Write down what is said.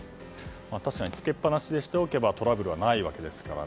確かに着けっぱなしにしておけばトラブルはないですからね。